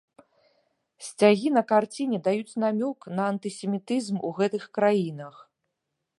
Сцягі на карціне даюць намёк на антысемітызм у гэтых краінах.